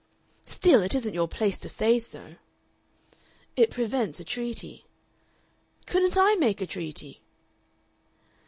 "Still, it isn't your place to say so." "It prevents a treaty." "Couldn't I make a treaty?"